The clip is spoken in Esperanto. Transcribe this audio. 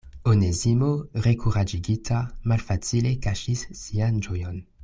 Onezimo rekuraĝigita malfacile kaŝis sian ĝojon.